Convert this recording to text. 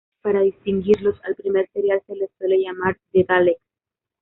Para distinguirlos, al primer serial se le suele llamar "The Daleks".